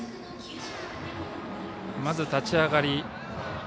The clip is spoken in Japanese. まず立ち上がり。